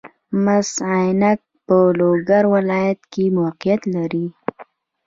مس عینک په لوګر ولایت کې موقعیت لري